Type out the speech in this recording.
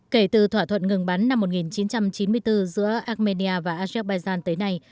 kể từ thỏa thuận ngừng bắn năm một nghìn chín trăm chín mươi bốn giữa armenia và azerbaijan tới nay